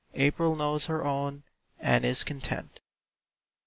April knows her own, and is content.